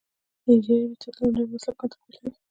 د انجنیری میتودونه له نورو مسلکونو توپیر لري.